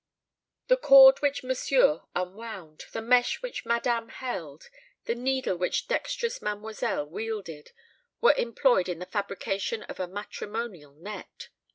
The cord which monsieur unwound, the mesh which madame held, the needle which dexterous mademoiselle wielded, were employed in the fabrication of a matrimonial net.